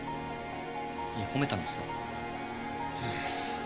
いや褒めたんですよ。